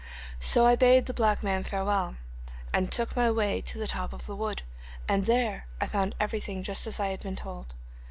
'So I bade the black man farewell, and took my way to the top of the wood, and there I found everything just as I had been told.